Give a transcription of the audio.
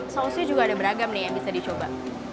sausnya juga ada beragam nih yang bisa dicoba